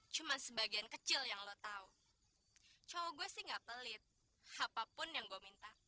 cuma sebagian kecil yang lo tahu cowok gue sih gak pelit apapun yang gue minta